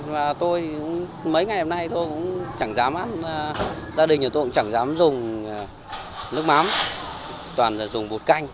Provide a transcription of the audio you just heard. và tôi mấy ngày hôm nay tôi cũng chẳng dám gia đình nhà tôi cũng chẳng dám dùng nước mắm toàn là dùng bột canh